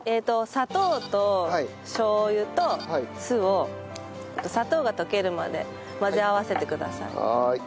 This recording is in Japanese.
砂糖としょう油と酢を砂糖が溶けるまで混ぜ合わせてください。